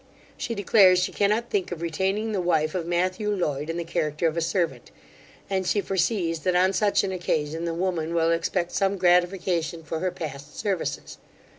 She declares she cannot think of retaining the wife of Matthew Loyd in the character of a servant; and she foresees, that on such an occasion the woman will expect some gratification for her past services.